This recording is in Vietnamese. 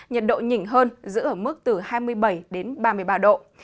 nhiệt độ nhỉnh hơn giữ ở mức từ hai mươi bảy đến ba mươi ba độ